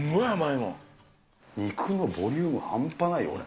肉のボリューム半端ないよ、これ。